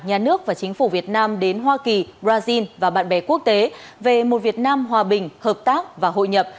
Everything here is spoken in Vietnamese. nhà nước và chính phủ việt nam đến hoa kỳ brazil và bạn bè quốc tế về một việt nam hòa bình hợp tác và hội nhập